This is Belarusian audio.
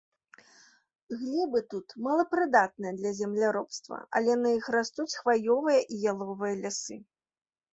Глебы тут малапрыдатныя для земляробства, але на іх растуць хваёвыя і яловыя лясы.